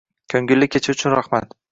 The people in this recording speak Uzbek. Ko'ngilli kecha uchun rahmat.